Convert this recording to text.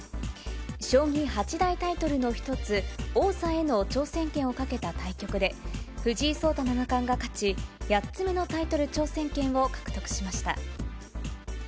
将棋八大タイトルの一つ、王座への挑戦権をかけた対局で、藤井聡太七冠が勝ち、８つ目のタイトル挑戦権を獲得しました。